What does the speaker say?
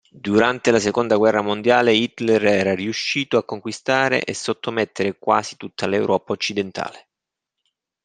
Durante la Seconda guerra mondiale Hitler era riuscito a conquistare e sottomettere quasi tutta l'Europa occidentale.